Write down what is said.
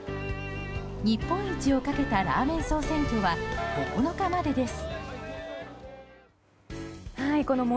日本一をかけたラーメン総選挙は９日までです。